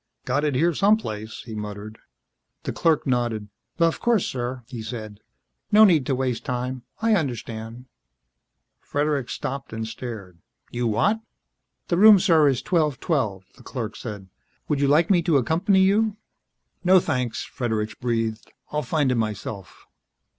"Got it here some place," he muttered. The clerk nodded. "Of course, sir," he said. "No need to waste time. I understand." Fredericks stopped and stared. "You what?" "The room, sir, is 1212," the clerk said. "Would you like me to accompany you " "No thanks," Fredericks breathed. "I'll find it myself."